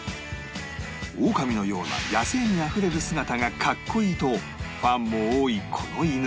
オオカミのような野性味あふれる姿がかっこいいとファンも多いこの犬